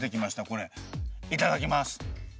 いただきます。